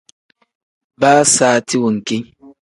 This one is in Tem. Baa saati wenki.